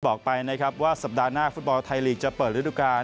บอกไปนะครับว่าสัปดาห์หน้าฟุตบอลไทยลีกจะเปิดฤดูกาล